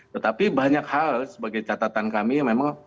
tetapi banyak hal sebagai catatan kami yang memang